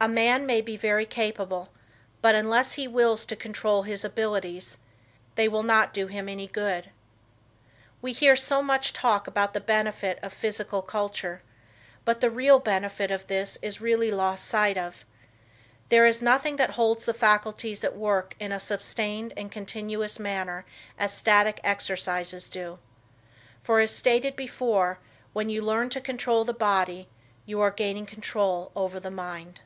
A man may be very capable, but, unless he Wills to control his abilities, they will not do him any good. We hear so much talk about the benefit of physical culture, but the real benefit of this is really lost sight of. There is nothing that holds the faculties at work in a sustained and continuous manner as static exercises do. For, as stated before, when you learn to control the body, you are gaining control over the mind.